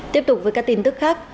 tiếp tục với các tin tức khác